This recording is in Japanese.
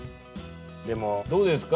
でもどうですか？